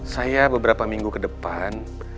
saya beberapa minggu kedepan